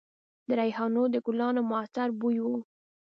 د ریحانو د ګلانو معطر بوی و